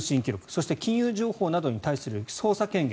それから金融情報などに対する捜査権限